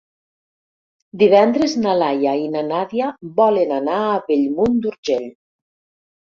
Divendres na Laia i na Nàdia volen anar a Bellmunt d'Urgell.